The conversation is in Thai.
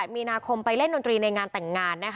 มีนาคมไปเล่นดนตรีในงานแต่งงาน